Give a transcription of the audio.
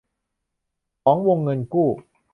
ของวงเงินกู้